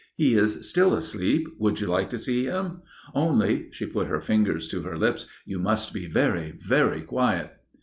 "He is still asleep. Would you like to see him? Only" she put her fingers on her lips "you must be very, very quiet."